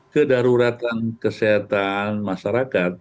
kedaruratan kesehatan masyarakat